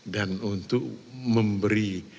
dan untuk memberi